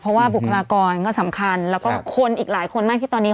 เพราะว่าบุคลากรก็สำคัญแล้วก็คนอีกหลายคนมากที่ตอนนี้